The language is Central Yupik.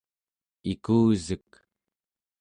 ikusek